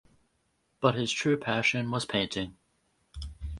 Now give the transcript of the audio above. But his true passion was painting.